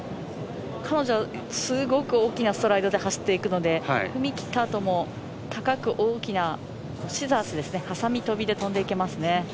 彼女、非常に大きなストライドで走っていくので踏み切ったあとも高く大きなシザースはさみ跳びで跳んでいけますね。